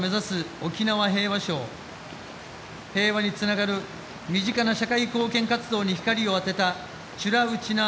沖縄平和賞平和につながる身近な社会貢献活動に光を当てたちゅらうちなー